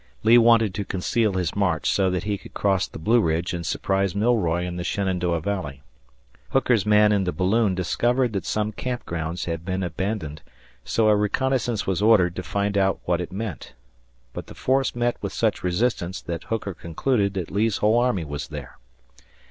Lee wanted to conceal his march so that he could cross the Blue Ridge and surprise Milroy in the Shenandoah Valley. Hooker's man in the balloon discovered that some camp grounds had been abandoned, so a reconnaissance was ordered to find out what it meant. But the force met with such resistance that Hooker concluded that Lee's whole army was there.